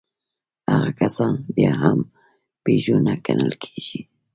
هغه کسان بيا هم پيژو نه ګڼل کېږي.